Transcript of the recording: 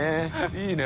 いいね